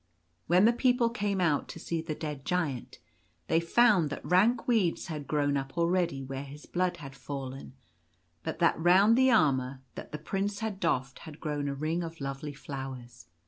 When the people came out to see the dead Giant, they found that rank weeds had grown up already where his blood had fallen, but that round the armour that the Prince had dofFed had grown a ring of lovely flowers.